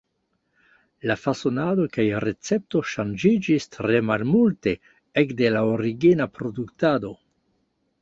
La fasonado kaj recepto ŝanĝiĝis tre malmulte ekde la origina produktado.